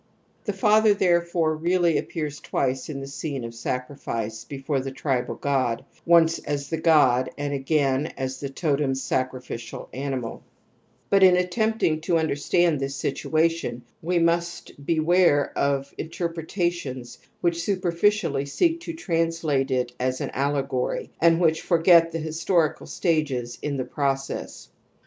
J The father therefore really appears twice in (^ I the scene of sacrifice before the tribal god, once ^ as the god and again as the totem sacrificial animal But in attempting to understand this situation we mus t beware of interpretations \ which superficially see k to translate it fts An allegorv. and wnicn toryet the historical stages in the process.